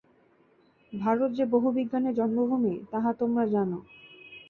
ভারত যে বহু বিজ্ঞানের জন্মভূমি, তাহা তোমরা জান।